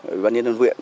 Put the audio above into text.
ủy ban nhân đơn viện